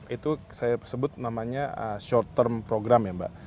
itu saya sebut namanya short term program ya mbak